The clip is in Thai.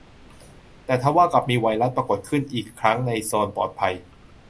แต่ทว่ากลับมีไวรัสปรากฏอีกครั้งในโซนปลอดภัย